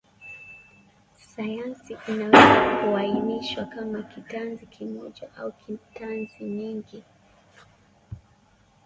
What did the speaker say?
Science can be classified as single-loop or multi-loop.